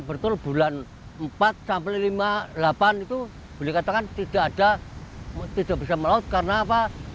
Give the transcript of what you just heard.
dan betul bulan empat sampai lima delapan itu boleh dikatakan tidak ada tidak bisa melaut karena apa